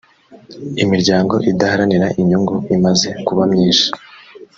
imiryango idaharanira inyungu imaze kuba myishi.